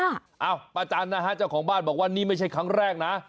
อ้าวป้าจันทร์นะฮะเจ้าของบ้านบอกว่านี่ไม่ใช่ครั้งแรกนะ